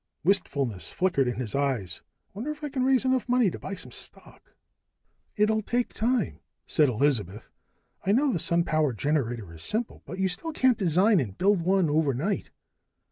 Wistfulness flickered in his eyes. "Wonder if I can raise enough money to buy some stock?" "It'll take time," said Elizabeth. "I know the sun power generator is simple, but you still can't design and build one overnight."